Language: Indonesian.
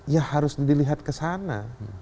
ya harus dilihat ke sana